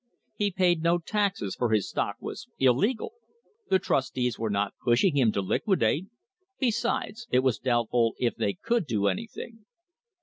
He paid no taxes, for his stock was illegal! The trustees were not pushing him to liquidate. Besides, it was doubtful if they could do anything.